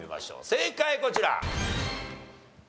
正解こちら！